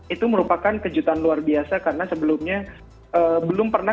itu merupakan kejutan luar biasa karena sebelumnya belum pernah